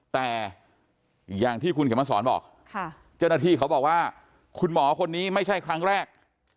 แต่อย่างที่คุณเขียนมาสอนบอกเจ้าหน้าที่เขาบอกว่าคุณหมอคนนี้ไม่ใช่ครั้งแรก